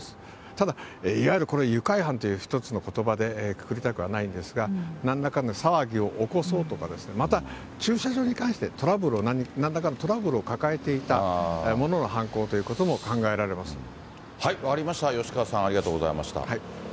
ただ、いわゆるこれ、愉快犯という一つのことばでくくりたくはないんですが、なんらかの騒ぎを起こそうとか、また駐車場に関してトラブルを、なんらかのトラブルを抱えていた者の犯行ということも考えられま分かりました、吉川さん、ありがとうございました。